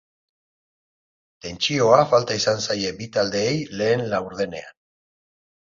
Tentsioa falta izan zaie bi taldeei lehen laurdenean.